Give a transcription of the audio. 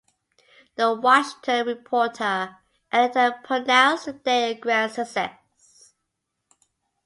The Washington Reporter editor pronounced the day a grand success.